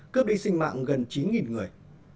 cướp đi sinh mạng gần chín người